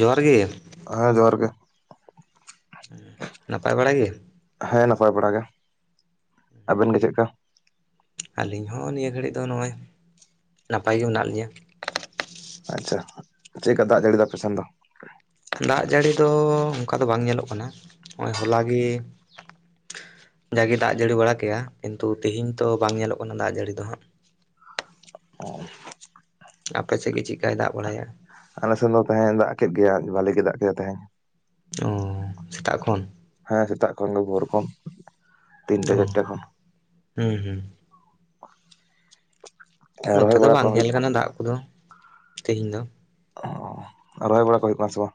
ᱡᱚᱸᱦᱟᱨ ᱜᱮ! ᱦᱮᱸ, ᱡᱚᱦᱟᱨ ᱜᱮ ᱾ ᱦᱩᱸ, ᱱᱟᱯᱟᱭ ᱵᱟᱲᱟ ᱜᱮ? ᱦᱮᱸ ᱱᱟᱯᱟᱭ ᱵᱟᱲᱟ ᱜᱮ, ᱟᱵᱮᱱ ᱜᱮ ᱪᱮᱫᱠᱟ? ᱟᱹᱞᱤᱧ ᱦᱚᱸ ᱱᱤᱭᱟᱹ ᱜᱷᱟᱹᱲᱤᱡ ᱫᱚ ᱱᱚᱜᱼᱚᱭ ᱱᱟᱯᱟᱭ ᱜᱮ ᱢᱮᱱᱟᱜ ᱞᱤᱧᱟᱹ ᱾ ᱟᱪᱪᱷᱟ, ᱪᱮᱜᱠᱟ ᱫᱟᱜ ᱡᱟᱹᱲᱤ ᱫᱟ ᱟᱯᱮᱥᱮᱱ ᱫᱚ? ᱫᱟᱜ ᱡᱟᱹᱲᱤ ᱫᱚ ᱚᱱᱠᱟ ᱫᱚ ᱵᱟᱝ ᱧᱮᱞᱚᱜ ᱠᱟᱱᱟ ᱱᱚᱜᱼᱚᱭ ᱦᱚᱞᱟ ᱜᱮ ᱡᱟᱜᱮ ᱫᱟᱜ ᱡᱟᱹᱲᱤ ᱵᱟᱲᱟ ᱠᱮᱭᱟ ᱠᱤᱱᱛᱩ ᱛᱮᱤᱦᱮᱧ ᱛᱚ ᱵᱟᱝ ᱧᱮᱞᱚᱜ ᱠᱟᱱᱟ ᱫᱟᱜ ᱡᱟᱹᱲᱤ ᱫᱚ ᱦᱟᱸᱜ, ᱚ ᱟᱯᱮ ᱥᱮᱫ ᱜᱮ ᱪᱮᱫᱠᱟᱭ ᱫᱟᱜ ᱵᱟᱲᱟᱭᱟ, ᱟᱞᱮ ᱥᱮᱱ ᱫᱚ ᱛᱟᱦᱮᱸ ᱫᱟᱜ ᱠᱮᱫ ᱜᱮ ᱵᱷᱟᱹᱞᱤ ᱜᱮ ᱫᱟᱜ ᱠᱮᱫᱟᱭ ᱛᱮᱦᱮᱧ, ᱚ ᱥᱮᱛᱟᱜ ᱠᱷᱚᱱ, ᱦᱮᱸ ᱥᱮᱛᱟᱜ ᱠᱷᱚᱱ ᱜᱮ ᱵᱷᱳᱨ ᱠᱷᱚᱱ ᱛᱤᱱᱴᱟ ᱚ ᱪᱟᱨᱴᱟ ᱠᱷᱚᱱ, ᱦᱩᱸ ᱦᱩᱸ, ᱱᱚᱛᱮ ᱨᱚᱦᱚᱭ ᱫᱚ ᱵᱟᱲᱟ ᱠᱚ ᱵᱟᱝ ᱧᱮᱞ ᱦᱩᱭᱩᱜ ᱠᱟᱱᱟ ᱫᱟᱜ ᱠᱚᱫᱚ ᱛᱮᱦᱮᱧ ᱫᱚ ᱚ ᱨᱚᱦᱚᱭ ᱵᱟᱲᱟ ᱠᱚ ᱦᱩᱭᱩᱜ ᱠᱟᱱᱟ ᱥᱮ ᱵᱟᱝ?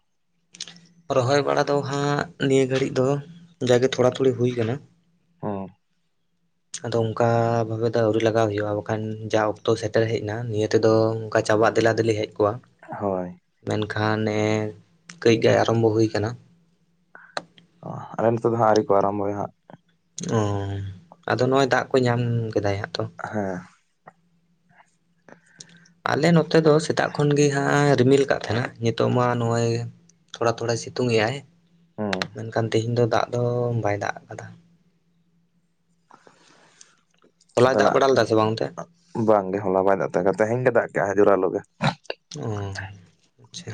ᱨᱚᱦᱚᱭ ᱵᱟᱲᱟ ᱫᱚ ᱦᱟᱸᱜ ᱱᱤᱭᱟᱹ ᱜᱷᱟᱹᱲᱤᱡ ᱫᱚ ᱡᱟ ᱜᱮ ᱛᱷᱚᱲᱟ ᱛᱷᱩᱲᱤ ᱦᱩᱭ ᱠᱟᱱᱟ, ᱦᱩᱸ ᱟᱫᱚ ᱚᱱᱠᱟ ᱵᱷᱟᱵᱮ ᱫᱚ ᱟᱹᱣᱨᱤ ᱞᱟᱜᱟᱣ ᱦᱩᱭᱩᱜᱼᱟ ᱵᱟᱠᱷᱟᱱ ᱡᱟ ᱚᱠᱛᱚ ᱥᱮᱴᱮᱨ ᱦᱮᱡ ᱮᱱᱟ ᱱᱤᱭᱟᱹ ᱛᱮᱫᱚ, ᱚᱱᱠᱟ ᱪᱟᱵᱟᱜ ᱫᱮᱞᱟ ᱫᱤᱞᱤ ᱦᱮᱡ ᱠᱚᱜᱼᱟ, ᱦᱳ ᱢᱮᱱᱠᱷᱟᱱ ᱱᱮᱜᱼᱮ ᱠᱟᱹᱡ ᱜᱮ ᱟᱨᱟᱢᱵᱚ ᱦᱩᱭ ᱠᱟᱱᱟ, ᱟᱞᱮ ᱱᱚᱛᱮ ᱫᱚ ᱦᱟᱸᱜ ᱟᱹᱣᱨᱤ ᱠᱚ ᱟᱨᱢᱵᱚᱭᱟ ᱦᱟᱸᱜ, ᱚ ᱟᱫᱚ ᱱᱚᱜᱚᱭ ᱫᱟᱜ ᱠᱚ ᱧᱟᱢ ᱠᱮᱫᱟᱭ ᱦᱟᱸᱜ ᱛᱚ, ᱦᱮᱸ ᱟᱞᱮ ᱱᱚᱛᱮ ᱫᱚ ᱥᱮᱛᱟᱜ ᱠᱷᱚᱱ ᱜᱮ ᱦᱟᱸᱜ ᱨᱤᱢᱤᱞ ᱠᱟᱫ ᱛᱟᱦᱮᱸᱱᱟ ᱱᱤᱛᱚᱜ ᱢᱟ ᱱᱚᱜᱼᱚᱭ, ᱛᱷᱚᱲᱟ ᱛᱷᱚᱲᱟᱭ ᱥᱤᱛᱩᱝ ᱜᱮᱼᱟᱭ ᱦᱩᱸ ᱢᱮᱱᱠᱷᱟᱱ ᱛᱮᱦᱮᱧ ᱫᱚ ᱫᱟᱜ ᱫᱚ ᱵᱟᱭ ᱫᱟᱜ ᱠᱟᱫᱟ, ᱦᱚᱞᱟᱭ ᱫᱟᱜ ᱱᱚᱛᱮᱱᱟᱜ ᱵᱟᱲᱟ ᱞᱮᱫᱟ ᱥᱮ ᱵᱟᱝ ᱚᱱᱛᱮ ᱵᱟᱝ ᱜᱮ ᱦᱚᱞᱟ ᱵᱟᱭ ᱫᱟᱜ ᱛᱟᱦᱮᱸ ᱛᱮᱦᱮᱧ ᱜᱮ ᱫᱟᱜ ᱠᱮᱜᱼᱟᱭ ᱡᱚᱨᱟᱞᱳ ᱜᱮ, ᱚ ᱟᱪᱪᱷᱟ,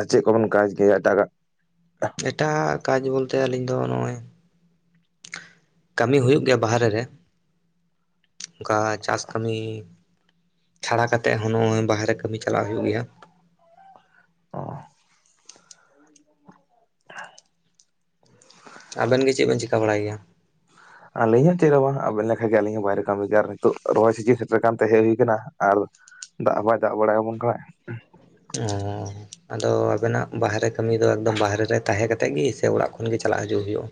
ᱟᱨ ᱪᱮᱫ ᱠᱚᱵᱚᱱ ᱠᱟᱡᱽ ᱜᱮᱭᱟ ᱮᱴᱟᱜᱟᱜ, ᱮᱴᱟᱜᱼᱟᱜ ᱠᱟᱡᱽ ᱵᱚᱞᱛᱮ ᱟᱹᱞᱤᱧ ᱫᱚ ᱱᱚᱜᱼᱚᱭ, ᱠᱟᱹᱢᱤ ᱦᱩᱭᱩᱜ ᱜᱮᱭᱟ ᱵᱟᱦᱨᱮ ᱨᱮ ᱚᱱᱠᱟ ᱪᱟᱥ ᱠᱟᱹᱢᱤ, ᱪᱷᱟᱲᱟ ᱠᱟᱛᱮᱫ ᱦᱚᱸ ᱱᱚᱜᱼᱚᱭ ᱵᱟᱨᱦᱨᱮ ᱠᱟᱹᱢᱤ ᱪᱟᱞᱟᱜ ᱦᱩᱭᱩᱜ ᱜᱮᱭᱟ, ᱚ [unintelligible] [unintelligible] ᱟᱵᱮᱱ ᱜᱮ ᱪᱮᱫ ᱵᱮᱱ ᱪᱤᱠᱟ ᱵᱟᱲᱟᱭ ᱜᱮᱭᱟ, ᱟᱞᱤᱧ ᱦᱚᱸ ᱪᱮᱫ ᱦᱚᱸ ᱵᱟᱝ ᱟᱵᱤᱱ ᱞᱮᱠᱷᱟ ᱜᱮ ᱟᱹᱞᱤᱧ ᱦᱚᱸ ᱵᱟᱭᱨᱮ ᱠᱟᱹᱢᱤ ᱜᱮ ᱟᱨ ᱱᱤᱛᱚᱜ ᱨᱚᱦᱚᱭ ᱥᱤᱡᱤᱱ ᱥᱮᱴᱮᱨ ᱟᱠᱟᱱ ᱛᱮ ᱦᱮᱡ ᱦᱩᱭ ᱠᱟᱱᱟ ᱟᱨ, ᱫᱟᱜ ᱦᱚᱸ ᱵᱟᱭ ᱫᱟᱜ ᱵᱟᱲᱟ ᱟᱵᱚᱱ ᱠᱟᱱᱟᱭ, ᱚᱸ ᱟᱫᱚ ᱟᱵᱤᱱᱟᱜ ᱵᱟᱦᱨᱮ ᱠᱟᱹᱢᱤ ᱫᱚ ᱮᱠᱫᱚᱢ ᱵᱟᱦᱨᱮ ᱨᱮ ᱛᱟᱦᱮᱸ ᱠᱟᱛᱮ ᱜᱮ ᱥᱮ ᱚᱲᱟᱜ ᱠᱷᱚᱱ ᱜᱮ ᱪᱟᱞᱟᱜ ᱦᱤᱡᱩᱜ ᱦᱩᱭᱩᱜᱼᱟ,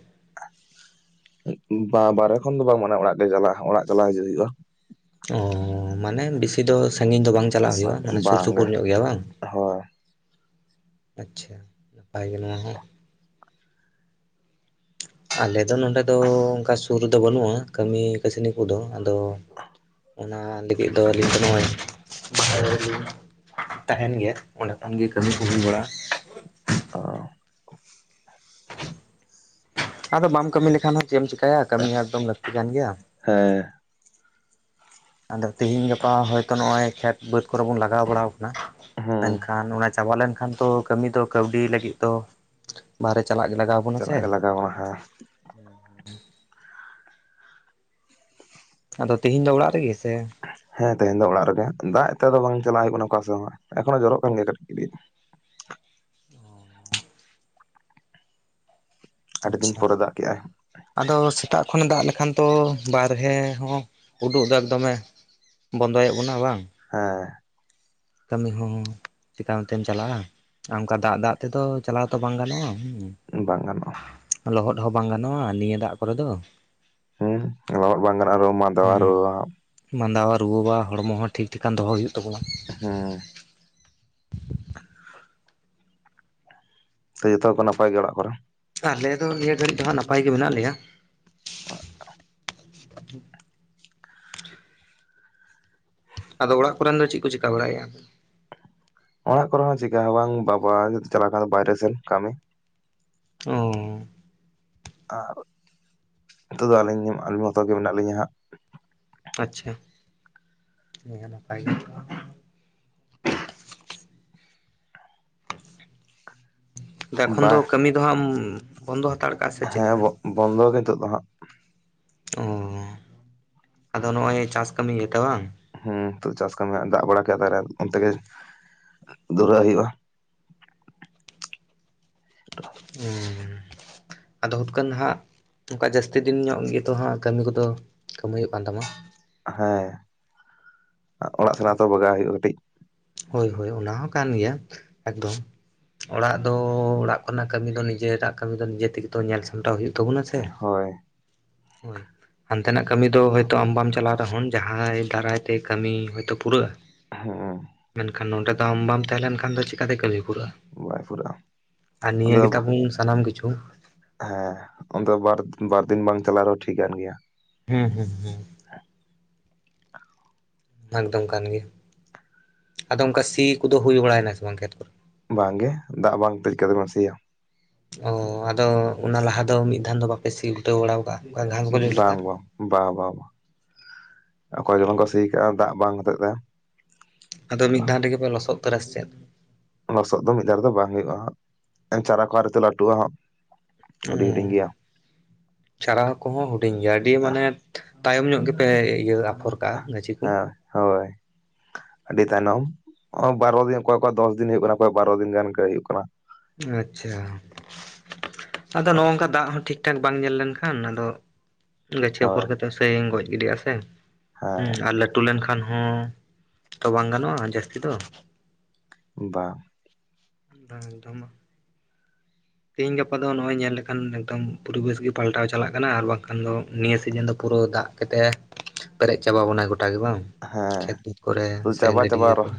ᱵᱟᱸ ᱵᱟᱦᱨᱮ ᱠᱷᱚᱱ ᱫᱚ ᱵᱟᱝ ᱢᱟᱱᱮ ᱚᱲᱟᱜ ᱜᱮ ᱪᱟᱞᱟᱜ ᱚᱲᱟᱜ ᱪᱟᱞᱟᱜ ᱦᱤᱡᱩᱜ ᱦᱩᱭᱩᱜᱼᱟ, ᱚ ᱢᱟᱱᱮ ᱵᱤᱥᱤ ᱫᱚ ᱥᱟᱹᱜᱤᱧ ᱫᱚ ᱵᱟᱝ ᱪᱟᱞᱟᱜ ᱦᱩᱭᱩᱜᱼᱟ ᱢᱟᱱᱮ ᱥᱩᱨ ᱥᱩᱯᱩᱨ ᱵᱟᱝᱜᱮ ᱧᱚᱜ ᱜᱮᱭᱟ ᱵᱟᱝ, ᱦᱳᱭ ᱟᱪᱪᱷᱟ ᱱᱟᱯᱟᱭ ᱜᱮ ᱱᱚᱣᱟ ᱦᱚᱸ ᱟᱞᱮ ᱫᱚ ᱱᱚᱰᱮ ᱫᱚ ᱚᱱᱠᱟ ᱥᱩᱨ ᱨᱮᱫᱚ ᱵᱟᱹᱱᱩᱜᱼᱟ ᱠᱟᱹᱢᱤ ᱠᱟᱹᱥᱱᱤ ᱠᱚᱫᱚ ᱟᱫᱚ, ᱚᱱᱟ ᱞᱟᱹᱜᱤᱫ ᱫᱚ ᱟᱹᱞᱤᱧ ᱫᱚ ᱱᱚᱜᱼᱚᱭ ᱵᱟᱦᱨᱮ ᱞᱤᱧ, ᱛᱟᱦᱮᱸᱱ ᱜᱮᱭᱟ ᱚᱸᱰᱮ ᱠᱷᱚᱱ ᱜᱮ ᱠᱟᱹᱢᱤ ᱠᱚ ᱦᱩᱭ ᱵᱟᱲᱟᱜᱼᱟ, ᱚ ᱟᱫᱚ ᱵᱟᱢ ᱠᱟᱹᱢᱤ ᱞᱮᱠᱷᱟᱱ ᱦᱚᱸ ᱪᱮᱫ ᱮᱢ ᱪᱮᱠᱟᱭᱟ ᱠᱟᱹᱢᱤ ᱮᱠᱫᱚᱢ ᱞᱟᱹᱠᱛᱤ ᱠᱟᱱ ᱜᱮᱭᱟ, ᱦᱮᱸ ᱟᱫᱚ ᱛᱤᱦᱤᱧ ᱜᱟᱯᱟ ᱦᱚᱭᱛᱚ ᱱᱚᱜᱼᱚᱭ ᱠᱷᱮᱛ ᱵᱟᱹᱫᱽ ᱠᱚᱨᱮ ᱵᱚᱱ ᱞᱟᱜᱟᱣ ᱵᱟᱲᱟᱣ ᱠᱟᱱᱟ ᱦᱮᱸ ᱢᱮᱱ ᱠᱷᱟᱱ ᱚᱱᱟ ᱪᱟᱵᱟ ᱞᱮᱱ ᱠᱷᱟᱱ ᱛᱚ ᱠᱟᱹᱢᱤ ᱫᱚ ᱠᱟᱹᱣᱰᱤ ᱞᱟᱹᱜᱤᱫ ᱫᱚ ᱵᱟᱨᱦᱮ ᱪᱟᱞᱟᱜ ᱜᱮ ᱞᱟᱜᱟᱣ, ᱵᱚᱱᱟ ᱥᱮ ᱪᱟᱞᱟᱜ ᱜᱮ ᱞᱟᱜᱟᱣ ᱵᱚᱱᱟ ᱦᱮᱸ᱾ ᱟᱫᱚ ᱛᱮᱦᱤᱧ ᱫᱚ ᱚᱲᱟᱜ ᱨᱮ ᱜᱮ ᱥᱮ ᱦᱮᱸ ᱛᱮᱦᱮᱧ ᱫᱚ ᱚᱲᱟᱜ ᱨᱮᱜᱮ ᱫᱟᱜ ᱮᱜ ᱛᱮ ᱟᱫᱚ ᱵᱟᱝ ᱪᱟᱞᱟᱜ ᱦᱩᱭᱩᱜ ᱠᱟᱱᱟ ᱚᱠᱟ ᱥᱮᱫ ᱦᱚᱸ ᱮᱠᱷᱚᱱᱳ ᱡᱚᱨᱚᱜ ᱠᱟᱱ ᱜᱮᱭᱟ ᱠᱟᱹᱴᱤᱡ ᱠᱟᱹᱴᱤᱡ᱾ ᱟᱹᱰᱤ ᱫᱤᱱ ᱟᱪᱪᱷᱟ ᱯᱚᱨᱮ ᱫᱟᱜ ᱠᱮᱜᱼᱟᱭ᱾ ᱟᱫᱚ ᱥᱮᱛᱟᱜ ᱠᱷᱚᱱ‌ ᱫᱟᱜ ᱞᱮᱠᱷᱟᱱ ᱛᱚ ᱵᱟᱨᱦᱮ ᱦᱚᱸ ᱦᱩᱰᱩᱜ ᱫᱟᱜ ᱫᱚᱢᱮ᱾ ᱵᱚᱱᱫᱚᱭᱮᱫ ᱵᱚᱱᱟ ᱵᱟᱝ? ᱦᱮᱸ᱾ ᱠᱟᱹᱢᱤ ᱦᱚᱸ ᱪᱤᱠᱟ ᱚᱱᱛᱮᱢ ᱪᱟᱞᱟᱜᱼᱟ ᱟᱨ ᱚᱱᱠᱟ ᱫᱟᱜ ᱫᱟᱜ ᱛᱮᱫᱚ ᱪᱟᱞᱟᱣ ᱛᱚ ᱵᱟᱝ ᱜᱟᱱᱚᱜᱼᱟ ᱦᱩᱸ᱾ ᱵᱟᱝ ᱜᱟᱱᱚᱜᱼᱟ᱾ ᱞᱚᱦᱚᱫ ᱦᱚᱸ ᱵᱟᱝ ᱜᱟᱱᱚᱜᱼᱟ ᱱᱤᱭᱟᱹ ᱫᱟᱜ ᱠᱚᱨᱮ ᱫᱚ᱾ ᱦᱩᱸ ᱞᱚᱦᱚᱫ ᱵᱟᱝ ᱜᱟᱱᱚᱜᱼᱟ ᱟᱨᱦᱚᱸ [unintelligible] ᱢᱟᱫᱟᱣᱟ, ᱦᱮᱸ ᱨᱩᱣᱟᱹᱣᱟ ᱦᱟᱸᱜ᱾ [unintelligible] ᱢᱟᱸᱫᱟᱣᱟ, ᱨᱩᱣᱟᱹᱣᱟ, ᱦᱚᱲᱢᱚ ᱦᱚᱸ ᱴᱷᱤᱠ ᱴᱷᱤᱠᱟᱱ ᱫᱚᱦᱚ ᱦᱩᱭᱩᱜ ᱛᱟᱵᱚᱱᱟ᱾ ᱦᱮᱸ᱾ ᱛᱚ ᱡᱚᱛᱚ ᱜᱮ ᱠᱚ ᱱᱟᱯᱟᱭ ᱜᱮ ᱚᱲᱟᱜ ᱠᱚᱨᱮ? ᱟᱞᱮ ᱫᱚ ᱱᱤᱭᱟᱹ ᱜᱷᱟᱹᱲᱤᱡ ᱫᱚ ᱦᱟᱸᱜ ᱱᱟᱯᱟᱭ ᱜᱮ ᱢᱮᱱᱟᱜ ᱞᱮᱭᱟ᱾ [inaudible] ᱟᱫᱚ ᱚᱲᱟᱜ ᱠᱚᱨᱮᱱ ᱫᱚ ᱪᱤᱜ ᱠᱚ ᱪᱤᱠᱟ ᱵᱟᱲᱟᱭᱮᱜ-ᱟ? ᱚᱲᱟᱜ ᱠᱚᱨᱮ ᱦᱚᱸ ᱪᱤᱠᱟ ᱦᱚᱸ ᱵᱟᱝ ᱵᱟᱵᱟ ᱪᱟᱞᱟᱣ ᱠᱟᱱ [unintelligible] ᱵᱟᱭᱨᱮ ᱥᱮᱱ ᱠᱟᱹᱢᱤ᱾ ᱚᱻ᱾ ᱟᱨ ᱱᱤᱛᱚᱜ ᱫᱚ ᱟᱹᱞᱤᱧ ᱟᱹᱞᱤᱧ ᱢᱚᱛᱚ ᱜᱮ ᱢᱮᱱᱟᱜ ᱞᱤᱧᱟᱹ ᱦᱟᱸᱜ᱾ ᱟᱪᱪᱷᱟ, ᱤᱧ ᱦᱚᱸ ᱱᱟᱯᱟᱭ ᱜᱮ [inaudible] ᱮᱠᱷᱚᱱ ᱵᱟ ᱫᱚ ᱠᱟᱹᱢᱤ ᱫᱚᱦᱟᱸᱜ ᱮᱢ ᱵᱚᱱᱫᱚ ᱦᱟᱛᱟᱲ ᱠᱟᱜᱼᱟ ᱥᱮ ᱦᱮᱸ ᱪᱮᱞᱠᱟ? ᱵᱚᱱᱫᱚ ᱜᱮ ᱱᱤᱛᱳᱜ ᱫᱚ ᱦᱟᱸᱟᱜ᱾ ᱚᱻ ᱟᱫᱚ ᱱᱚᱜᱼᱚᱭ ᱪᱟᱥ ᱠᱟᱹᱢᱤ ᱜᱮᱛᱚ ᱵᱟᱝ? ᱦᱩᱸ ᱛᱚ ᱪᱟᱥ ᱠᱟᱹᱢᱤ ᱫᱟᱜ ᱵᱟᱲᱟ ᱠᱮᱜ-ᱟ ᱛᱟᱦᱠᱮ ᱚᱱᱛᱮ ᱜᱮ ᱫᱷᱩᱨᱟᱹᱜ ᱦᱩᱭᱩᱜᱼᱟ᱾ [unintelligible] ᱟᱫᱚ ᱦᱩᱛᱠᱟᱹᱱ ᱦᱟᱸᱜ ᱚᱱᱠᱟ ᱡᱟᱹᱥᱛᱤ ᱫᱤᱱ ᱧᱚᱜ ᱜᱮᱛᱚ ᱦᱟᱸᱜ ᱠᱟᱹᱢᱤ ᱠᱚᱫᱚ ᱠᱟᱹᱢᱦᱟᱹᱭᱚᱜ ᱠᱟᱱ ᱛᱟᱢᱟ᱾ ᱦᱮᱸ ᱚᱲᱟᱜ ᱥᱮᱱᱟᱜ ᱛᱚ ᱵᱟᱜᱟᱣ ᱦᱩᱭᱩᱜᱼᱟ ᱠᱟᱹᱴᱤᱡ᱾ ᱦᱳᱭ ᱦᱳᱭ ᱚᱱᱟ ᱦᱚᱸ ᱠᱟᱱ ᱜᱮᱭᱟ ᱮᱠᱫᱚᱢ᱾ ᱚᱲᱟᱜ ᱫᱚ ᱚᱲᱟᱜ ᱠᱷᱚᱱᱟᱜ ᱠᱟᱹᱢᱤ ᱫᱚ ᱱᱤᱡᱮᱨᱟᱜ ᱠᱟᱹᱢᱤ ᱫᱚ ᱱᱤᱡᱮ ᱛᱮᱜᱮ ᱛᱚ ᱧᱮᱞ ᱥᱟᱢᱴᱟᱣ ᱦᱩᱭᱩᱜ ᱛᱟᱵᱚᱱᱟ ᱥᱮ ᱦᱳᱭ ᱦᱳᱭ᱾ ᱦᱟᱱᱛᱮᱱᱟᱜ ᱠᱟᱹᱢᱤ ᱫᱚ ᱦᱭᱛ ᱚᱱᱛᱮ ᱟᱢ ᱵᱟᱢ ᱪᱟᱞᱟᱣ ᱨᱮᱦᱚᱸ ᱡᱟᱦᱟᱸᱭ ᱫᱟᱨᱟᱭ ᱛᱮ ᱠᱟᱹᱢᱤ ᱦᱚᱭᱛᱳ ᱯᱩᱨᱟᱹᱜᱼᱟ ᱦᱮᱸ᱾ ᱢᱮᱱᱠᱷᱟᱱ ᱱᱚᱰᱮ ᱫᱚ ᱟᱢ ᱵᱟᱢ ᱛᱟᱦᱮᱸ ᱞᱮᱱ ᱠᱷᱟᱱ ᱫᱚ ᱪᱤᱠᱟᱛᱮ ᱠᱟᱹᱢᱤ ᱯᱩᱨᱟᱹᱜᱼᱟ? ᱵᱟᱭ ᱯᱩᱨᱟᱹᱜᱼᱟ ᱟᱨ ᱱᱤᱭᱟᱹ ᱟᱫᱚ ᱜᱮᱛᱟᱵᱚᱱ ᱥᱟᱱᱟᱢ ᱠᱤᱪᱷᱩ᱾ ᱦᱮᱸ ᱚᱱᱛᱮ ᱵᱟᱨ ᱵᱟᱨ ᱫᱤᱱ ᱵᱟᱝ ᱪᱟᱞᱟᱣ ᱨᱮᱦᱚᱸ ᱴᱷᱤᱠᱟᱹᱱ ᱜᱮᱭᱟ᱾ ᱦᱮᱸ ᱦᱮᱸ ᱦᱮᱸ᱾ ᱮᱠᱫᱚᱢ ᱠᱟᱱ ᱜᱮᱭᱟ ᱟᱫᱚ ᱚᱱᱠᱟ ᱥᱤ ᱠᱚᱫᱚ ᱦᱩᱭ ᱵᱟᱲᱟᱭᱮᱱᱟ ᱥᱮ ᱵᱟᱝ ᱠᱷᱮᱛ ᱠᱚ? ᱵᱟᱝ ᱜᱮ ᱫᱟᱜ ᱵᱟᱝ ᱛᱮ [unintelligible] ᱵᱮᱱ ᱥᱤᱭᱟ᱾ ᱚ ᱟᱫᱚ ᱚᱱᱟ ᱞᱟᱦᱟ ᱫᱚ ᱢᱤᱫ ᱫᱷᱟᱱ ᱫᱚ ᱵᱟᱯᱮ ᱥᱤ ᱩᱞᱴᱟᱹᱣ ᱵᱟᱲᱟ ᱟᱠᱟᱜᱼᱟ? ᱚᱱᱠᱟ ᱜᱷᱟᱥ ᱜᱚᱡᱚᱜ ᱞᱮᱠᱟ? ᱵᱟᱝ ᱵᱟᱝ᱾ ᱵᱟ ᱵᱟ ᱵᱟ ᱚᱠᱚᱭ ᱜᱮ ᱵᱟᱝ ᱠᱚ ᱥᱤ ᱟᱠᱟᱜᱼᱟ ᱫᱟᱜ ᱵᱟᱝ ᱦᱚᱛᱮᱫ ᱛᱮ᱾ ᱟᱫᱚ ᱢᱤᱫ ᱫᱷᱟᱣ ᱨᱮᱜᱮ ᱯᱮ ᱞᱚᱥᱚᱫ ᱩᱛᱟᱹᱨᱟ ᱥᱮᱪᱮᱫ? ᱞᱚᱥᱚᱫ ᱫᱚ ᱢᱤᱫ ᱫᱷᱟ ᱨᱮ ᱫᱚ ᱵᱟᱝ ᱦᱩᱭᱩᱜᱼᱟ ᱦᱟᱸᱜ ᱮᱸ ᱪᱟᱨᱟ ᱠᱚ ᱟᱨᱛᱮ [unintelligible] ᱞᱟᱹᱴᱩᱼᱟ ᱦᱟᱸᱜ᱾ ᱚᱻ᱾ ᱪᱷᱟᱨᱟᱣ ᱠᱚᱦᱚᱸ ᱦᱩᱰᱤᱧ ᱜᱮᱭᱟ ᱟᱹᱰᱤ ᱢᱟᱱᱮ ᱛᱟᱭᱚᱢ ᱧᱚᱜ ᱜᱮᱯᱮ ᱤᱭᱟᱹ ᱟᱯᱷᱚᱨ ᱠᱟᱜᱼᱟ ᱦᱮᱸ ᱦᱳᱭ ᱟᱹᱰᱤ ᱛᱟᱭᱱᱚᱢ ᱵᱟᱨᱚ ᱫᱤᱱ ᱚᱠᱚᱭ ᱚᱠᱚ ᱫᱚᱥ ᱫᱤᱱ ᱦᱩᱭᱩᱜ ᱠᱟᱱᱟ ᱚᱠᱚᱭ ᱵᱟᱨᱚ ᱫᱤᱱ ᱜᱟᱱ ᱦᱩᱭᱩᱜ ᱠᱟᱱᱟ ᱟᱪᱪᱷᱟ ᱟᱫᱚ ᱱᱚᱝᱠᱟ ᱫᱟᱜ ᱦᱚᱸ ᱴᱷᱤᱠ ᱴᱷᱤᱠ ᱴᱷᱟᱠ ᱵᱟᱝ ᱧᱮᱞ ᱞᱮᱱᱠᱷᱟᱱ ᱟᱫᱚ ᱜᱟᱹᱪᱷᱤ ᱟᱯᱷᱚᱨ ᱦᱳᱭ ᱠᱟᱛᱮ ᱥᱟᱹᱭᱧ ᱜᱚᱡ ᱜᱤᱰᱤᱼᱟ ᱥᱮ ᱦᱮᱸ ᱟᱨ ᱞᱟᱹᱴᱩ ᱞᱮᱱᱠᱷᱟᱱ ᱦᱚᱸ ᱛᱚ ᱵᱟᱝ ᱜᱟᱱᱚᱜᱼᱟ ᱡᱟᱹᱥᱛᱤ ᱫᱚ ᱵᱟᱝ [unintelligible] ᱛᱮᱤᱦᱤᱧ ᱜᱟᱯᱟ ᱫᱚ ᱱᱚᱜᱼᱚᱭ ᱧᱮᱞ ᱞᱮᱠᱷᱟᱱ ᱮᱠᱫᱚᱢ ᱯᱚᱨᱤᱵᱮᱥ ᱜᱮ ᱯᱟᱞᱴᱟᱣ ᱪᱟᱞᱟᱜ ᱠᱟᱱᱟ ᱟᱨ ᱵᱟᱝᱠᱷᱟᱱ ᱫᱚ ᱱᱤᱭᱟᱹ ᱥᱤᱡᱤᱱ ᱫᱚ ᱯᱩᱨᱟᱹ ᱫᱟᱜ ᱠᱟᱛᱮᱫ ᱯᱮᱨᱮᱡ ᱪᱟᱵᱟ ᱵᱚᱱᱟᱭ ᱜᱚᱴᱟ ᱜᱮ ᱵᱟᱝ ᱦᱮᱸ ᱠᱷᱮᱛ ᱵᱩᱫᱽ ᱠᱚᱨᱮ ᱛᱚ ᱥᱮ ᱪᱟᱵᱟ ᱪᱟᱵᱟ ᱜᱟᱹᱰᱭᱟᱹ ᱨᱚᱦ ᱠᱚᱨᱮ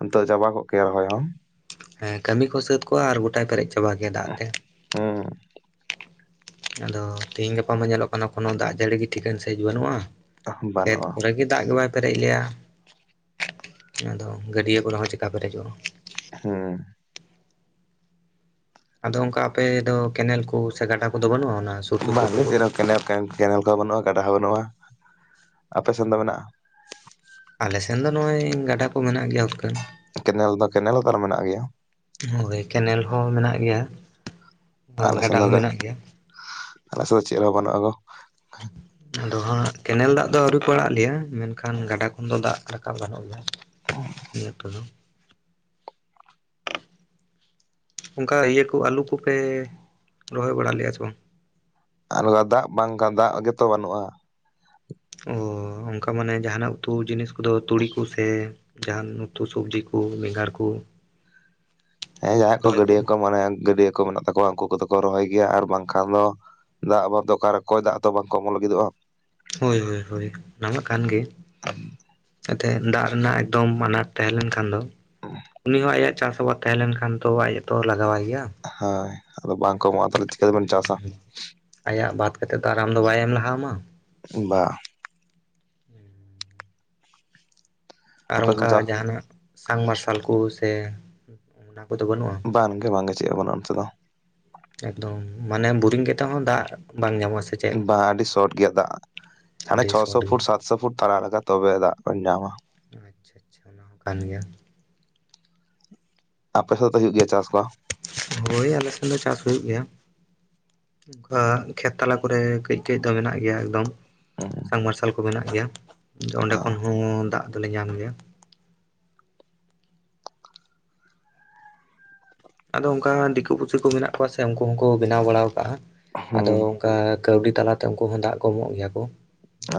ᱱᱤᱛᱚᱜ ᱪᱟᱵᱟ ᱠᱚᱜ ᱠᱮᱭᱟ ᱨᱚᱦᱚᱭ ᱦᱚᱸ ᱦᱮᱸ ᱠᱟᱹᱢᱤ ᱠᱚ ᱥᱟᱹᱛ ᱠᱚᱜᱣᱟ ᱟᱨ ᱜᱚᱴᱟᱭ ᱯᱮᱨᱮᱡ ᱪᱟᱵᱟ ᱜᱮᱭᱟ ᱫᱟᱜ ᱛᱮ ᱦᱮᱸ ᱟᱫᱚ ᱛᱮᱤᱦᱤᱧ ᱜᱟᱯᱟ ᱢᱟ ᱧᱮᱞᱚᱜ ᱠᱟᱱᱟ ᱠᱳᱱᱳ ᱫᱟᱜ ᱡᱟᱹᱲᱤ ᱜᱮ ᱴᱷᱤᱠᱟᱹᱱ ᱥᱮᱺᱤᱡ ᱵᱟᱹᱱᱩᱜᱼᱟ ᱠᱷᱮᱛ ᱵᱟᱹᱱᱩᱜᱼᱟ ᱠᱚᱨᱮ ᱜᱮ ᱫᱟᱜ ᱜᱮ ᱵᱟᱭ ᱯᱮᱨᱮᱡ ᱞᱮᱭᱟ ᱟᱫᱚ ᱜᱟᱹᱰᱭᱟᱹ ᱠᱚᱨᱮ ᱦᱚᱸ ᱪᱮᱠᱟ ᱯᱮᱨᱮᱡᱚᱜᱼᱟ ᱦᱩᱸ ᱟᱫᱚ ᱚᱝᱠᱟ ᱟᱯᱮ ᱫᱚ ᱠᱮᱱᱮᱞ ᱠᱚ ᱥᱮ ᱜᱟᱰᱟ ᱠᱚᱫᱚ ᱵᱟᱹᱱᱩᱜᱼᱟ ᱚᱱᱟ ᱥᱩᱨ ᱵᱟ ᱥᱩᱯᱩᱨ ᱟᱞᱮ ᱠᱚᱨᱮ ᱥᱮᱡ ᱫᱛ ᱠᱮᱱᱮᱞᱮᱱ ᱠᱮᱱᱮᱞ ᱠᱚᱦᱚᱸ ᱵᱟᱹᱱᱩᱜᱼᱟ ᱜᱟᱰᱟ ᱦᱚᱸ ᱵᱟᱹᱱᱩᱜᱼᱟ ᱟᱯᱮ ᱥᱮᱱ ᱫᱚ ᱢᱮᱱᱟᱜᱼᱟ ᱟᱞᱮ ᱥᱮᱱ ᱫᱚ ᱱᱚᱜᱼᱚᱭ ᱜᱟᱰᱟ ᱠᱚ ᱢᱮᱱᱟᱜ ᱜᱮᱭᱟ ᱩᱛᱠᱟᱹᱱ ᱠᱮᱱᱮᱞ ᱫᱚ ᱠᱮᱱᱮᱞ ᱯᱟᱲ ᱢᱮᱱᱟᱜ ᱜᱮᱭᱟ ᱦᱳᱭ ᱠᱮᱱᱮᱞ ᱦᱚᱸ ᱢᱮᱱᱟᱜ ᱜᱮᱭᱟ᱾ ᱟᱨ ᱟᱞᱮ ᱥᱮᱫ ᱜᱟᱰᱟ ᱫᱚ, ᱦᱚᱸ ᱢᱮᱱᱟᱜ ᱜᱮᱭᱟ ᱟᱞᱮ ᱥᱮᱫ ᱫᱚ ᱪᱮᱫ ᱦᱚᱸ ᱵᱟᱹᱱᱩᱜᱼᱟ ᱜᱚ [inaudible] ᱟᱫᱚ ᱦᱟᱸᱜ ᱠᱮᱱᱮᱞ ᱫᱟᱜ ᱫᱚ ᱟᱹᱣᱨᱤ ᱠᱚ ᱟᱲᱟᱜ ᱟᱞᱮᱭᱟ, ᱢᱮᱱᱠᱷᱟᱱ ᱜᱟᱰᱟ ᱠᱷᱚᱱ ᱫᱚ ᱫᱟᱜ ᱨᱟᱠᱟᱵ ᱜᱟᱱᱚᱜ ᱜᱮᱭᱟ᱾ ᱚ ᱱᱤᱭᱟᱹ ᱚᱠᱛᱚ ᱫᱚ ᱚᱝᱠᱟ ᱤᱭᱟᱹ ᱠᱚ ᱟᱹᱞᱩ ᱠᱚᱯᱮ ᱨᱚᱦᱚᱭ ᱵᱟᱲᱟ ᱞᱮᱜᱼᱟ ᱥᱮ ᱵᱟᱝ‍? ᱟᱞᱜᱟ ᱫᱟᱜ ᱵᱟᱝ ᱫᱟᱜ ᱜᱮᱛᱚ ᱵᱟᱹᱱᱩᱜᱼᱟ᱾ ᱚ ᱚᱱᱠᱟ ᱢᱟᱱᱮ ᱡᱟᱦᱟᱱᱟᱜ ᱩᱛᱩ ᱡᱤᱱᱤᱥ ᱠᱚᱫᱚ ᱛᱩᱲᱤ ᱠᱚᱥᱮ ᱡᱟᱦᱟᱱ ᱩᱛᱩ ᱥᱚᱵᱡᱤ ᱠᱚ ᱵᱮᱸᱜᱟᱲ ᱠᱚ ᱦᱮᱸ ᱡᱟᱦᱟ ᱠᱚ ᱨᱚᱦᱚᱭ ᱜᱟᱹᱰᱭᱟᱹ ᱠᱚᱫᱚ ᱠᱚ ᱢᱟᱱᱮ ᱜᱟᱹᱰᱭᱟᱹ ᱠᱚ ᱢᱮᱱᱟᱜ ᱛᱟᱠᱚᱣᱟ ᱩᱱᱠᱩ ᱠᱚᱫᱚ ᱠᱚ ᱨᱚᱦᱚᱭ ᱜᱮᱭᱟ ᱟᱨ ᱵᱟᱝᱠᱷᱟᱱ ᱫᱚ ᱫᱟᱜ ᱵᱟ-ᱫᱚ ᱚᱠᱟᱨᱮ ᱠᱚᱭ ᱫᱟᱜ ᱫᱚ ᱵᱟᱝᱠᱚ ᱮᱢᱚᱜ ᱞᱟᱹᱜᱤᱫᱚᱜᱼᱟ᱾ ᱦᱳᱭ, ᱦᱳᱭ, ᱦᱳᱭ, ᱚᱱᱟᱢᱟ ᱠᱟᱱ ᱜᱮ᱾ ᱡᱟᱛᱮ ᱫᱟᱜ ᱨᱮᱱᱟᱜ ᱮᱠᱫᱚᱢ ᱟᱱᱟᱴ ᱛᱟᱦᱮᱸ ᱞᱮᱱ ᱠᱷᱟᱱ ᱫᱚ ᱩᱱᱤ ᱦᱚᱸ ᱟᱭᱟᱜ ᱪᱟᱥ ᱟᱵᱟᱫ ᱛᱟᱦᱮᱸᱞᱮᱱᱠᱷᱟᱱ ᱛᱚ ᱟᱡᱛᱚ ᱞᱟᱜᱟᱣᱟᱭ ᱜᱮᱭᱟ ᱦᱳᱭ ᱟᱫᱚ ᱵᱟᱝ ᱠᱚ ᱢᱮᱱᱠᱷᱟᱱ ᱮᱢᱚᱜᱼᱟ, ᱛᱟᱦᱚᱞᱮ ᱪᱤᱠᱟᱹ ᱛᱮᱵᱮᱱ ᱪᱟᱥᱟ? ᱟᱭᱟᱜ ᱵᱟᱛ ᱠᱟᱛᱮᱫ ᱫᱚ ᱟᱨ ᱟᱢ ᱫᱚ ᱵᱟᱭ ᱮᱢ ᱞᱟᱦᱟ ᱟᱢᱟ᱾ ᱵᱟ ᱟᱨ ᱟᱯᱮ ᱥᱮᱫ ᱫᱚ ᱚᱱᱠᱟ ᱪᱟᱥ ᱡᱟᱦᱱᱟᱜ ᱥᱟᱝ ᱢᱟᱨᱥᱟᱞ ᱠᱩ ᱥᱮ ᱚᱱᱟ ᱠᱚᱫᱚ ᱵᱟᱹᱱᱩᱜᱼᱟ? ᱵᱟᱝ ᱜᱮ ᱵᱟᱝᱜᱮ ᱪᱮᱫ ᱦᱚ ᱵᱟᱱᱩᱜ-ᱟ ᱱᱚᱛᱮ ᱫᱚ᱾ ᱮᱠᱫᱚᱢ ᱢᱟᱱᱮ ᱵᱳᱨᱤᱝ ᱠᱟᱛᱮᱫ ᱦᱚᱸ ᱫᱟᱜ ᱵᱟᱝ ᱧᱟᱢᱚᱜᱼᱟ ᱥᱮ ᱪᱮᱫ ᱵᱟᱝ ᱟᱹᱰᱤ ᱥᱚᱴ ᱜᱮᱭᱟ ᱫᱟᱜ ᱦᱟᱱᱮ ᱟᱹᱰᱤ ᱥᱚᱴ ᱪᱷᱚᱥᱚ ᱯᱷᱩᱴ ᱜᱮᱭᱟ ᱥᱟᱛᱥᱚ ᱯᱷᱩᱴ ᱛᱟᱲᱟᱣ ᱞᱟᱜᱟᱜ-ᱟ ᱛᱚᱵᱮ ᱫᱟᱜ ᱫᱚᱢ ᱧᱟᱢᱟ᱾ ᱟᱪᱪᱷᱟ, ᱟᱪᱪᱷᱟ ᱚᱱᱟ ᱦᱚᱸ ᱠᱟᱱ ᱜᱮᱭᱟ ᱟᱯᱮ ᱥᱮᱫ ᱫᱚ ᱦᱩᱭᱳᱜ ᱜᱮᱭᱟ ᱪᱟᱥ ᱠᱚ? ᱦᱳᱭ ᱟᱞᱮ ᱥᱮᱱ ᱫᱚ ᱪᱟᱥ ᱦᱩᱭᱩᱜ ᱜᱮᱭᱟ᱾ ᱚᱱᱠᱟ ᱠᱷᱮᱛ ᱛᱟᱞᱟ ᱠᱚᱨᱮ ᱠᱟᱹᱡ ᱠᱟᱹᱡ ᱫᱚ ᱢᱮᱱᱟᱜ ᱜᱮᱭᱟ ᱮᱠᱫᱚᱢ ᱾ ᱦᱩᱸ ᱥᱟᱢ ᱢᱟᱨᱥᱟᱞ ᱠᱚ ᱢᱮᱱᱟᱜ ᱜᱮᱭᱟ ᱚᱸᱰᱮ ᱠᱷᱚᱱ ᱚ ᱦᱚᱸ ᱫᱟᱜ ᱫᱚᱞᱮ ᱧᱟᱢ ᱜᱮᱭᱟ᱾ ᱟᱫᱚ ᱚᱱᱠᱟ ᱫᱤᱠᱩ ᱯᱩᱥᱤ ᱠᱚ ᱢᱮᱱᱟᱜ ᱠᱚᱣᱟ ᱥᱮ ᱩᱱᱠᱩ ᱦᱚᱸᱠᱚ ᱵᱮᱱᱟᱣ ᱵᱟᱲᱟ ᱟᱠᱟᱫᱼᱟ, ᱟᱫᱚ ᱦᱩᱸ ᱚᱱᱠᱟ ᱠᱟᱹᱣᱰᱤ ᱛᱟᱞᱟ ᱛᱮ ᱩᱱᱠᱩ ᱦᱚᱸ ᱫᱟᱜ ᱠᱚ ᱮᱢᱚᱜ ᱜᱮᱭᱟ ᱠᱚ ᱾ ᱚ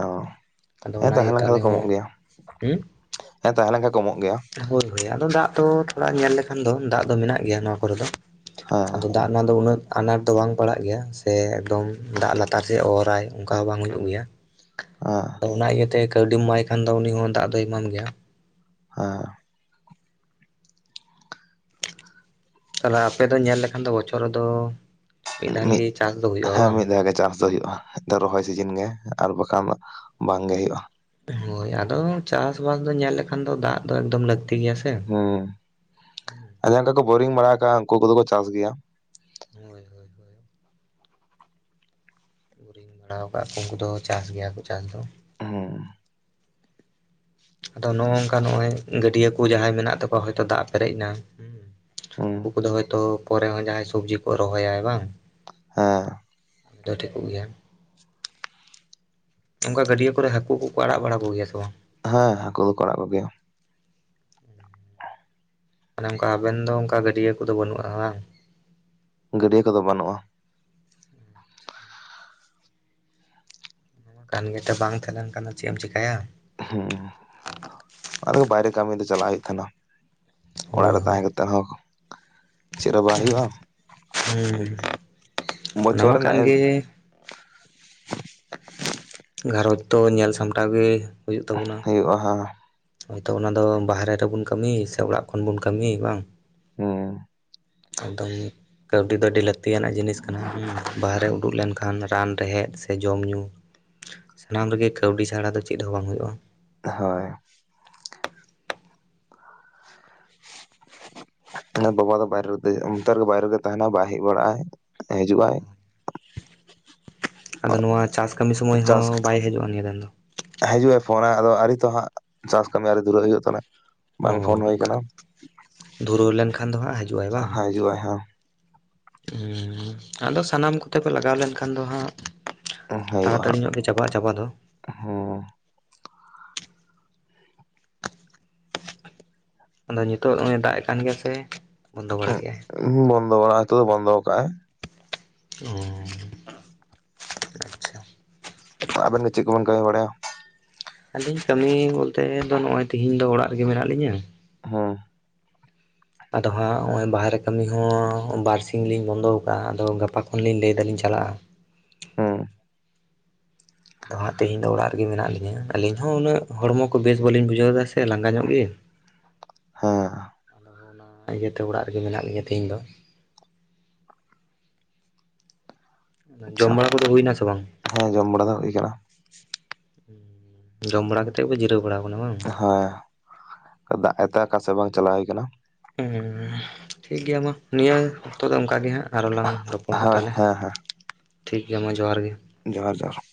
ᱦᱮᱸ ᱛᱟᱦᱮᱸ ᱞᱮᱱᱠᱷᱟᱡ ᱫᱚ ᱠᱚ ᱦᱚᱸ ᱮᱢᱚᱜ ᱜᱮᱭᱟ ᱦᱩᱸ ᱾ [inaudible] ᱦᱮᱸ ᱛᱟᱦᱮᱸ ᱞᱮᱱᱠᱷᱟᱱ ᱠᱚ ᱮᱢᱚᱜ ᱜᱮᱭᱟ ᱾ ᱦᱳᱭ ᱦᱳᱭ ᱟᱫᱚ ᱫᱟᱜ ᱫᱚ ᱛᱷᱚᱲᱟ ᱧᱮᱞ ᱞᱮᱠᱷᱟᱱ ᱫᱚ ᱫᱟᱜ ᱫᱚ ᱢᱮᱱᱟᱜ ᱜᱮᱭᱟ ᱱᱚᱣᱟ ᱠᱚᱨᱮ ᱫᱚ᱾ ᱦᱚᱸ ᱾ ᱟᱫᱚ ᱫᱟᱜ ᱨᱮᱱᱟᱜ ᱫᱚ ᱩᱱᱟᱹᱜ ᱟᱱᱟᱴ ᱫᱚ ᱵᱟᱝ ᱯᱟᱲᱟᱜ ᱜᱮᱭᱟ ᱥᱮ ᱮᱠᱫᱚᱢ ᱫᱟᱜ ᱞᱟᱛᱟᱨ ᱥᱮᱫ ᱚᱨᱟᱭ ᱚᱱᱠᱟ ᱦᱚᱸ ᱵᱟᱝ ᱦᱩᱭᱩᱜ ᱜᱮᱭᱟ, ᱦᱮᱸ [inaudible] ᱟᱫᱚ ᱚᱱᱟ ᱤᱭᱟᱹᱛᱮ ᱠᱟᱹᱣᱰᱤᱢ ᱮᱢᱟᱭ ᱠᱷᱟᱱ ᱫᱚ ᱩᱱᱤ ᱦᱚᱸ ᱫᱟᱜ ᱫᱚᱭ ᱮᱢᱟᱢ ᱜᱮᱭᱟ᱾ ᱦᱮᱸ᱾ ᱛᱟᱦᱚᱞᱮ ᱟᱯᱮ ᱫᱚ ᱧᱮᱞ ᱞᱮᱠᱷᱟᱱ ᱫᱚ ᱵᱚᱪᱷᱚᱨ ᱨᱮᱫᱚ ᱫᱷᱟᱣ ᱢᱤᱫ, ᱜᱮ ᱪᱟᱥ ᱫᱚ ᱦᱩᱭᱩᱜᱼᱟ ᱦᱮᱸ ᱵᱟᱝ ᱢᱤᱫ ᱫᱷᱟᱣ ᱜᱮ ᱪᱟᱥ ᱫᱚ ᱦᱩᱭᱩᱜᱼᱟ᱾ ᱨᱚᱦᱚᱭ ᱥᱤᱡᱤᱱ ᱜᱮ ᱟᱨ ᱵᱟᱠᱷᱟᱱ ᱫᱚ ᱵᱟᱝᱜᱮ ᱦᱩᱭᱩᱜᱼᱟ ᱾ ᱦᱳᱭ ᱟᱫᱚ ᱪᱟᱥᱵᱟᱥ ᱫᱚ ᱧᱮᱞ ᱞᱮᱠᱷᱟᱱ ᱫᱚ ᱫᱟᱜ ᱫᱚ ᱮᱠᱫᱚᱢ ᱞᱟᱹᱠᱛᱤ ᱜᱮᱭᱟ ᱥᱮ ᱦᱩᱸ [unintelligible] ᱠᱚ ᱵᱳᱨᱤᱝ ᱵᱟᱲᱟ ᱟᱠᱟᱜᱼᱟ ᱩᱱᱠᱩ ᱠᱚᱫᱚ ᱠᱚ ᱪᱟᱥ ᱜᱮᱭᱟ ᱾ ᱦᱳᱭ ᱦᱳᱭ ᱦᱳᱭ ᱾ ᱠᱩᱧ ᱵᱟᱲᱟ ᱟᱠᱟᱫ ᱠᱚ ᱩᱱᱠᱩ ᱫᱚ ᱪᱟᱥ ᱜᱮᱭᱟ ᱠᱚ ᱪᱟᱥ ᱫᱚ ᱾ ᱦᱩᱸ ᱟᱫᱚ ᱱᱚᱜ-ᱚ ᱱᱚᱝᱠᱟ ᱱᱚᱜ-ᱚᱭ ᱜᱟᱹᱰᱭᱟᱹ ᱠᱚ ᱡᱟᱦᱟᱸᱭ ᱢᱮᱱᱟᱜ ᱛᱟᱠᱚᱣᱟ ᱦᱚᱭ ᱛᱚ ᱫᱟᱜ ᱯᱮᱨᱮᱡ ᱮᱱᱟ ᱦᱩᱸ ᱩᱱᱠᱩ ᱠᱚᱫᱚ ᱦᱚᱭᱛᱳ ᱯᱚᱨᱮ ᱦᱚᱸ ᱡᱟᱦᱟᱸᱭ ᱥᱚᱵᱡᱤ ᱠᱚ ᱨᱚᱦᱚᱭᱟ ᱵᱟᱝ? ᱦᱮᱸ ᱾ ᱫᱚ ᱴᱷᱤᱠᱚᱜ ᱜᱮᱭᱟ ᱾ ᱚᱱᱠᱟ ᱜᱟᱹᱰᱭᱟᱹ ᱠᱚᱨᱮ ᱦᱟᱹᱠᱩ ᱠᱚᱠᱚ ᱟᱲᱟᱜ ᱵᱟᱲᱟ ᱠᱚᱜᱮᱭᱟ ᱥᱮ ᱵᱟᱝ? ᱦᱮᱸ ᱦᱟᱹᱠᱩ ᱫᱚᱠᱚ ᱟᱲᱟᱜ ᱠᱚ ᱜᱮᱭᱟ ᱾ ᱢᱟᱱᱮ ᱚᱱᱠᱟ ᱟᱵᱮᱱ ᱫᱚ ᱚᱱᱠᱟ ᱜᱟᱹᱰᱭᱟᱹ ᱠᱚᱫᱚ ᱵᱟᱹᱱᱩᱜᱼᱟ ᱵᱟᱝ? ᱜᱟᱹᱰᱭᱟᱹ ᱠᱚᱫᱚ ᱵᱟᱹᱱᱩᱜᱼᱟ ᱾ [unintelligible] ᱵᱟᱝ ᱛᱟᱦᱮᱸ ᱞᱮᱱᱠᱷᱟᱱ ᱫᱚ ᱪᱮᱫ ᱮᱢ ᱪᱮᱠᱟᱭᱟ ᱾ ᱦᱩᱸ [inaudible] ᱚᱱᱟ ᱛᱮᱜᱮ ᱵᱟᱭᱨᱮ ᱠᱟᱹᱢᱤ ᱫᱚ ᱪᱟᱞᱟᱜ ᱦᱩᱭᱩᱜ ᱛᱟᱦᱮᱸᱱᱟ ᱾ [inaudible] ᱚᱲᱟᱜ ᱦᱳᱭ ᱨᱮ ᱦᱳᱭ ᱛᱟᱦᱮᱸ ᱠᱟᱛᱮᱫ ᱦᱚᱸ ᱪᱮᱫ ᱦᱚᱸ ᱵᱟᱝ ᱦᱩᱭᱩᱜᱼᱟ ᱦᱩᱸ ᱾ [inaudible] ᱚᱱᱟ ᱵᱚᱪᱷᱚᱨ ᱢᱟ ᱠᱟᱱ ᱨᱮᱱᱟᱜ ᱜᱮ ᱜᱷᱟᱨᱚᱸᱡᱽ ᱛᱚ ᱧᱮᱞ ᱥᱟᱢᱴᱟᱣ ᱜᱮ ᱦᱩᱭᱩᱜᱼᱟ ᱦᱟᱸᱜ ᱾ ᱦᱳᱭ ᱛᱚ ᱚᱱᱟ ᱫᱚ ᱵᱟᱦᱨᱮ ᱨᱮᱵᱚᱱ ᱠᱟᱹᱢᱤ ᱥᱮ ᱚᱲᱟᱜ ᱠᱷᱚᱱ ᱵᱚᱱ ᱠᱟᱹᱢᱤᱭᱟ ᱵᱟᱝ ᱦᱩᱸ [inaudible] ᱮᱠᱫᱚᱢ ᱾ ᱠᱟᱹᱣᱰᱤ ᱫᱚ ᱟᱹᱰᱤ ᱞᱟᱹᱠᱛᱤᱭᱟᱱᱟᱜ ᱡᱤᱱᱤᱥ ᱠᱟᱱᱟ, ᱦᱩᱸ ᱾ ᱵᱟᱦᱨᱮ ᱩᱰᱩᱠ ᱞᱮᱱᱠᱷᱟᱱ ᱨᱟᱱ ᱨᱮᱦᱮᱫ ᱥᱮ ᱡᱚᱢ ᱧᱩᱸ ᱥᱟᱱᱟᱢ ᱨᱮᱜᱮ ᱠᱟᱹᱣᱰᱤ ᱪᱷᱟᱲᱟ ᱫᱚ ᱪᱮᱫ ᱦᱚᱸ ᱵᱟᱝ ᱦᱩᱭᱩᱜᱼᱟ ᱾ ᱦᱳᱭ ᱾ [unintelligible] ᱵᱟᱵᱟ ᱫᱚ ᱵᱟᱭᱨᱮ ᱨᱮ ᱚᱱᱛᱮ ᱨᱮᱜᱮ ᱵᱟᱭᱨᱮ ᱨᱮᱜᱮ ᱛᱟᱦᱮᱸᱱᱟ ᱵᱟᱭ ᱦᱮᱡ ᱵᱟᱲᱟᱜᱼᱟᱭ ᱵᱟᱭ ᱦᱤᱡᱩᱜᱼᱟᱭ ᱾ ᱟᱫᱚ ᱱᱚᱶᱟ ᱪᱟᱥ ᱠᱟᱹᱢᱤ ᱥᱚᱢᱟᱹᱭ ᱪᱟᱥ ᱦᱚᱸ ᱵᱟᱭ ᱦᱟᱹᱡᱩᱜᱼᱟᱭ ᱱᱤᱭᱟᱹ ᱫᱤᱱ ᱫᱚ ᱾ ᱦᱤᱡᱩᱜᱼᱟᱭ ᱯᱷᱳᱱᱟᱭ ᱟᱫᱚ ᱟᱹᱣᱨᱤ ᱛᱚ ᱦᱟᱸᱜ ᱪᱟᱥ ᱠᱟᱹᱢᱤ ᱟᱹᱣᱨᱤ ᱫᱷᱩᱨᱟᱹᱜ ᱦᱩᱭᱩᱜ [unintelligible] ᱵᱟᱝ ᱯᱷᱳᱱ ᱚ ᱦᱩᱭ ᱟᱠᱟᱱᱟ ᱚᱱᱠᱟ ᱾ ᱫᱷᱩᱨᱟᱹᱣ ᱞᱮᱱᱠᱷᱟᱱ ᱫᱚ ᱦᱟᱸᱜ ᱦᱟᱹᱡᱩᱜᱼᱟᱭ ᱵᱟᱝ? ᱦᱤᱡᱩᱜᱼᱟᱭ ᱦᱟᱸᱜ ᱦᱩᱸ ᱦᱩᱸ, ᱟᱫᱚ ᱥᱟᱱᱟᱢ ᱠᱚᱛᱮ ᱯᱮ ᱞᱟᱜᱟᱣ ᱞᱮᱱᱠᱷᱟᱱ ᱫᱚ ᱦᱟᱸᱜ ᱦᱳᱭᱳᱜᱼᱟ ᱦᱟᱸᱜ ᱛᱟᱲᱟᱛᱟᱹᱲᱤ ᱧᱚᱜ ᱜᱮ ᱪᱟᱵᱟᱜᱼᱟ ᱪᱟᱵᱟ ᱫᱚ ᱾ [inaudible] ᱦᱚᱸ ᱟᱫᱚ ᱱᱤᱛᱚᱜ ᱱᱚᱜᱼᱚᱸᱭ ᱫᱟᱜᱼᱮᱜ ᱠᱟᱱ ᱜᱮᱭᱟ ᱥᱮ ᱵᱚᱱᱫᱚ ᱵᱟᱲᱟ ᱠᱮᱜᱼᱟᱭ [unintelligible] ᱵᱚᱱᱫᱚ [unintelligible] ᱛᱚ ᱵᱚᱱᱫᱚᱣ ᱟᱠᱟᱜᱼᱟᱭ ᱾ [inaudible] ᱩᱸᱻ ᱟᱵᱮᱱ ᱠᱚ ᱪᱮᱫ ᱠᱚᱵᱮᱱ ᱠᱟᱹᱢᱤ ᱵᱟᱲᱟᱭᱟ? ᱟᱹᱞᱤᱧ ᱠᱟᱹᱢᱤ ᱵᱚᱞᱛᱮ ᱫᱚ ᱱᱚᱜᱼᱚᱸᱭ ᱛᱤᱦᱤᱧ ᱫᱚ ᱚᱲᱟᱜ ᱨᱮᱜᱮ ᱢᱮᱱᱟᱜ ᱞᱤᱧᱟᱹ ᱦᱚᱸ᱾ ᱟᱫᱚ ᱦᱟᱸᱜ ᱦᱚᱜᱼᱚᱸᱭ ᱵᱟᱦᱨᱮ ᱠᱟᱹᱢᱤ ᱦᱚᱸ ᱵᱟᱨᱥᱤᱧ ᱞᱤᱧ ᱵᱚᱱᱫᱚᱣ ᱟᱠᱟᱫᱼᱟ ᱟᱫᱚ ᱜᱟᱯᱟ ᱠᱷᱚᱱᱞᱤᱧ ᱞᱟᱹᱭ ᱫᱟᱹᱞᱤᱧ ᱪᱟᱞᱟᱜᱼᱟ᱾ ᱦᱩᱸ ᱫᱚ ᱦᱟᱸᱜ ᱛᱤᱦᱤᱧ ᱫᱚ ᱚᱲᱟᱜ ᱨᱮᱜᱮ ᱢᱮᱱᱟᱜ ᱞᱤᱧᱟᱹ ᱟᱹᱞᱤᱧ ᱦᱚᱸ ᱩᱱᱟᱹᱜ ᱦᱚᱲᱢᱚ ᱠᱚ ᱵᱮᱥ ᱵᱟᱹᱞᱤᱧ ᱵᱩᱡᱷᱟᱹᱣ ᱮᱫᱟ ᱥᱮ᱾ ᱥᱮ ᱞᱟᱸᱜᱟ ᱧᱚᱜ ᱜᱮ ᱾ ᱦᱮᱸ ᱟᱫᱚ ᱚᱱᱟ ᱤᱭᱟᱹᱛᱮ ᱚᱲᱟᱜ ᱨᱮᱜᱮ ᱢᱮᱱᱟᱜ ᱞᱤᱧᱟᱹ ᱛᱤᱦᱤᱧ ᱫᱚ᱾ ᱟᱪᱪᱷᱟ ᱡᱚᱢ ᱵᱟᱲᱟ ᱠᱚᱫᱚ ᱦᱩᱭᱱᱟ ᱥᱮ ᱵᱟᱝ? ᱦᱮᱸ ᱡᱚᱢ ᱵᱟᱲᱟ ᱫᱚ ᱦᱩᱭ ᱠᱟᱱᱟ᱾ [unintelligible] ᱡᱚᱢ ᱵᱟᱲᱟ ᱠᱟᱛᱮᱫ ᱠᱚ ᱡᱤᱨᱟᱹᱣ ᱵᱟᱲᱟᱣ ᱠᱟᱱᱟ ᱵᱟᱝ? ᱦᱟᱸ ᱫᱟᱜ ᱮᱜᱛᱮ ᱟᱠᱟ ᱥᱮᱫ ᱦᱚᱸ ᱵᱟᱝ ᱪᱟᱞᱟᱣ ᱦᱩᱭ ᱠᱟᱱᱟ ᱾ ᱩᱸ ᱴᱷᱤᱠ ᱜᱮᱭᱟ ᱢᱟ ᱱᱤᱭᱟᱹ ᱚᱠᱛᱚ ᱫᱚ ᱚᱱᱠᱟ ᱜᱮ ᱦᱟᱸᱜ ᱟᱨᱦᱚᱸ ᱞᱟᱝ ᱨᱚᱯᱚᱲᱟ ᱦᱟᱸᱜ ᱦᱳᱭ ᱛᱟᱦᱚᱞᱮ ᱦᱮᱸ ᱦᱮᱸ ᱴᱷᱤᱠ ᱜᱮᱭᱟ ᱢᱟ ᱡᱚᱦᱟᱨ ᱜᱮ᱾ ᱡᱚᱦᱟᱨ ᱡᱚᱦᱟᱨ